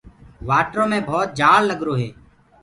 وآٽرو مي ڀَوت جآلگرو هي۔